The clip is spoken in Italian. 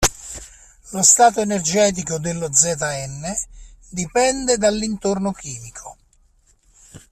Lo stato energetico dello Zn dipende dall'intorno chimico,